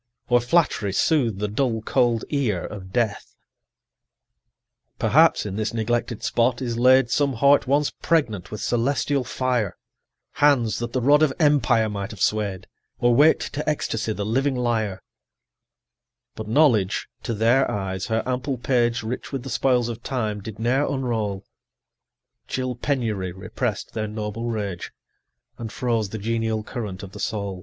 Or Flattery soothe the dull cold ear of Death? Perhaps in this neglected spot is laid 45 Some heart once pregnant with celestial fire; Hands, that the rod of empire might have sway'd, Or wak'd to ecstasy the living lyre: But Knowledge to their eyes her ample page, Rich with the spoils of time, did ne'er unroll; 50 Chill Penury repress'd their noble rage, And froze the genial current of the soul.